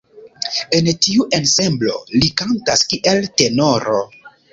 En tiu ensemblo li kantas kiel tenoro.